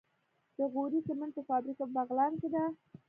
د غوري سمنټو فابریکه په بغلان کې ده.